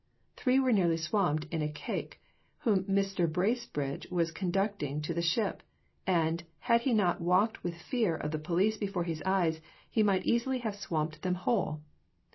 Three were nearly swamped in a caique, whom Mr. Bracebridge was conducting to the ship, and, had he not walked with the fear of the police before his eyes, he might easily have swamped them whole."